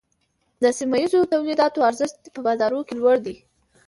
د سیمه ییزو تولیداتو ارزښت په بازار کې لوړ دی۔